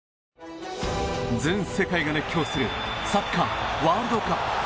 全世界が熱狂するサッカーワールドカップ。